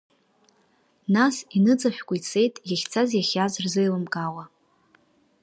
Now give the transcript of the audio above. Нас иныҵашәкәа ицеит, иахьцаз-иахьааз рзеилымкаауа.